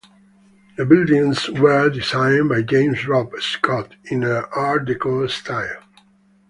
The buildings were designed by James Robb Scott in an art deco style.